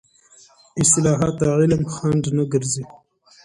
اصطلاحات د علم خنډ نه ګرځي.